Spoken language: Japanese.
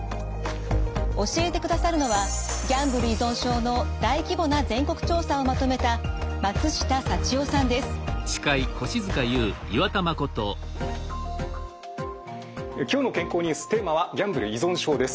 教えてくださるのはギャンブル依存症の大規模な全国調査をまとめた「きょうの健康ニュース」テーマはギャンブル依存症です。